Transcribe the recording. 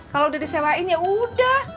kalau udah disewain ya udah